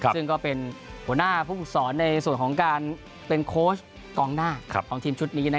ซึ่งก็เป็นหัวหน้าผู้ฝึกศรในส่วนของการเป็นโค้ชกองหน้าของทีมชุดนี้